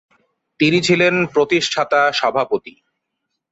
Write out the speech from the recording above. তিনি ছিলেন প্রতিষ্ঠাতা সভাপতি।